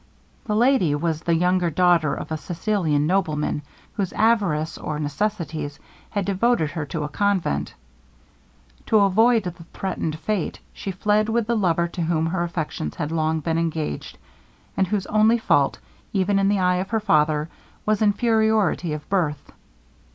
This lady was the younger daughter of a Sicilian nobleman, whose avarice, or necessities, had devoted her to a convent. To avoid the threatened fate, she fled with the lover to whom her affections had long been engaged, and whose only fault, even in the eye of her father, was inferiority of birth.